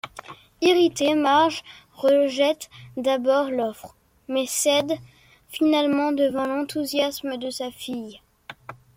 Irritée, Marge rejette d'abord l'offre, mais cède finalement devant l'enthousiasme de sa fille.